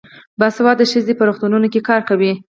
باسواده ښځې په روغتونونو کې کار کوي.